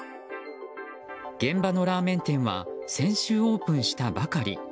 現場のラーメン店は先週オープンしたばかり。